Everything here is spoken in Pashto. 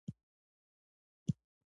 فابریکې باید جوړې شي